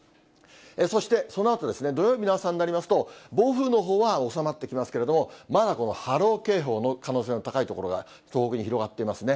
そしてそのあとですね、土曜日の朝になりますと、暴風のほうは収まってきますけれども、まだこの波浪警報の可能性の高い所が、東北に広がっていますね。